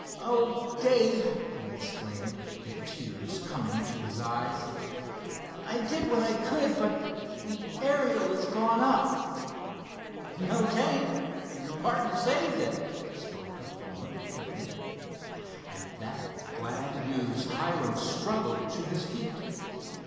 "Oh, Dave!" he exclaimed, the tears coming to his eyes. "I did what I could, but the Ariel is gone up!" "No, 'tain't—your partner saved it!" spoke the farmer quickly. At that glad news Hiram struggled to his feet.